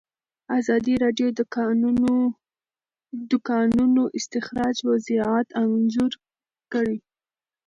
ازادي راډیو د د کانونو استخراج وضعیت انځور کړی.